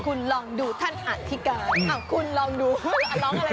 คุณลองดูลองอะไรต่อเนี่ย